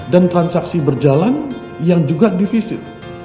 dan transaksi berjalan yang juga divisi